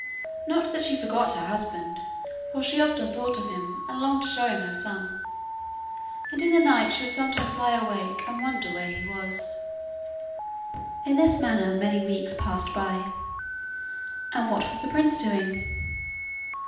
Not that she forgot her husband, for she often thought of him and longed to show him her son, and in the night she would sometimes lie awake and wonder where he was. In this manner many weeks passed by. And what was the prince doing?